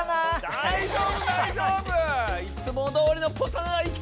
だいじょうぶだいじょうぶ！いつもどおりのポタならいけるさ！